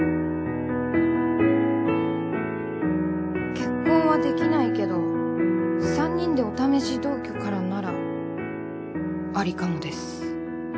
「結婚は出来ないけど３人でお試し同居からならアリかもです」。